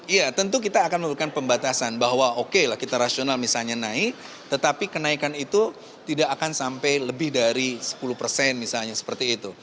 iya tentu kita akan memberikan pembatasan bahwa oke lah kita rasional misalnya naik tetapi kenaikan itu tidak akan sampai lebih dari sepuluh persen misalnya seperti itu